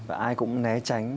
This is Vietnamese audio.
và ai cũng né tránh